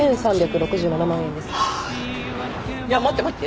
いや待って待って。